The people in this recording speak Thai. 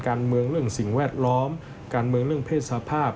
เรื่องสิ่งแวดล้อมการเมืองเรื่องเพศสภาพ